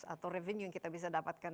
atau revenue yang kita bisa dapatkan